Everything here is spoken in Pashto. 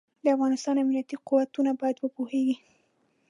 د افغانستان امنيتي قوتونه بايد وپوهېږي.